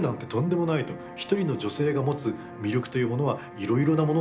一人の女性が持つ魅力というものはいろいろなものがあると。